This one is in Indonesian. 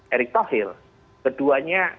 erick thohir keduanya